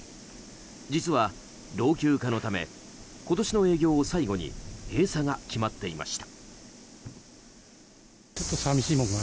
実は老朽化のため今年の営業を最後に閉鎖が決まっていました。